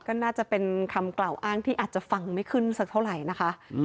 ก็น่าจะเป็นคำกล่าวอ้างที่อาจจะฟังไม่ขึ้นสักเท่าไหร่นะคะ